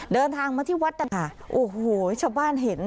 เดินทางมาที่วัดนะคะโอ้โหชาวบ้านเห็น